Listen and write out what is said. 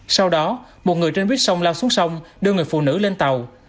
sau đó một người trên buýt sông lao xuống sông đưa người phụ nữ lên tàu